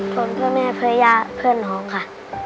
ผมเพื่อแม่เพื่อย่าเพื่อนน้องค่ะ